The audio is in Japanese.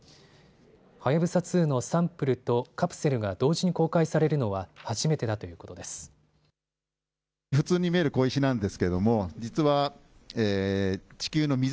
はやぶさ２のサンプルとカプセルが同時に公開されるのは初めてだということです。